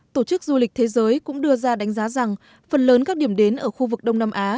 tổ chức du lịch thế giới cũng đưa ra đánh giá rằng phần lớn các điểm đến ở khu vực đông nam á